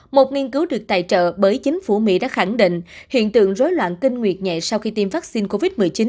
một nghiên cứu được tài trợ bởi chính phủ mỹ đã khẳng định hiện tượng rối loạn kinh nguyệt nhẹ sau khi tiêm vaccine covid một mươi chín